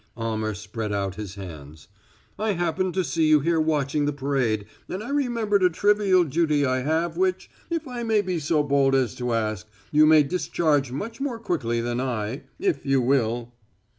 Almer spread out his hands. "I happened to see you here watching the parade, and I remembered a trivial duty I have which, if I may be so bold as to ask, you may discharge much more quickly than I if you will."